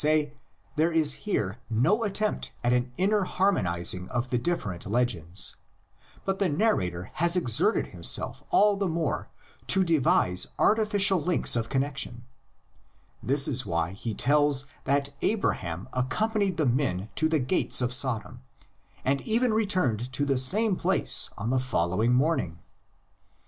say, there is here no attempt at an inner harmonis ing of the different legends, but the narrator has exerted himself all the more to devise artificial links of connexion; this is why he tells that Abraham accompanied the men to the gates of Sodom, and even returned to the same place on the following morning.